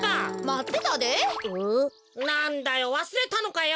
なんだよわすれたのかよ。